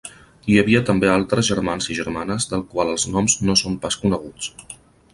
Hi havia també altres germans i germanes del qual els noms no són pas coneguts.